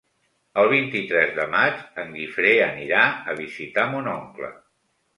El vint-i-tres de maig en Guifré anirà a visitar mon oncle.